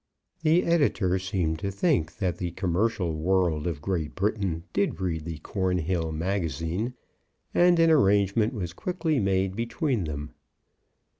The Editor seemed to think that the commercial world of Great Britain did read the CORNHILL MAGAZINE, and an arrangement was quickly made between them.